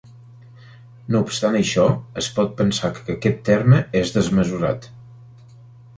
No obstant això, es pot pensar que aquest terme és desmesurat.